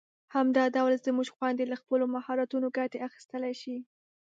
همدا ډول زموږ خويندې له خپلو مهارتونو ګټه اخیستلای شي.